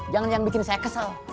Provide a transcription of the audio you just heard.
jangan yang bikin saya kesal